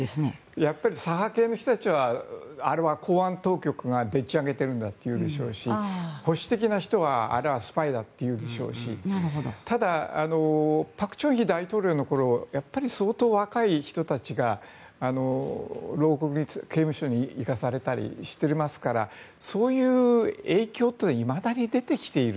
左派系の人たちはあれは公安当局がでっち上げているんだと言うでしょうし保守的な人はあれはスパイだって言うでしょうしただ、朴正煕大統領の頃やっぱり相当若い人たちが刑務所に行かされたりしていますからそういう影響というのはいまだに出てきている。